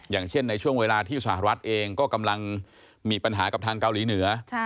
อย่างเช่นในช่วงเวลาที่สหรัฐเองก็กำลังมีปัญหากับทางเกาหลีเหนือ